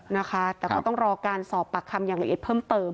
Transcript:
นะคะแต่ก็ต้องรอการสอบปากคำอย่างละเอียดเพิ่มเติม